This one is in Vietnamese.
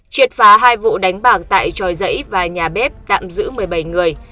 triệt phá hai vụ đánh bảng tại tròi dãy và nhà bếp tạm giữ một mươi bảy người